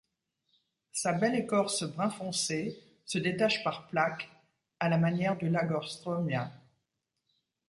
Sa belle écorce brun foncé se détache par plaques à la manière du Lagerstroemia.